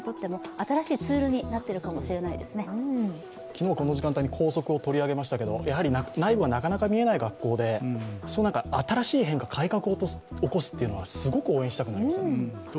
昨日この時間帯に校則を取り上げましたけどやはり内部はなかなか見えない学校で新しい変化、改革を起こすというのは、すごく応援したくなりますよね。